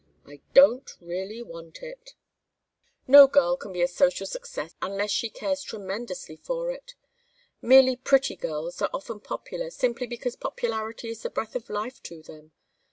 I don't really want it. No girl can be a social success unless she cares tremendously for it. Merely pretty girls are often popular, simply because popularity is the breath of life to them.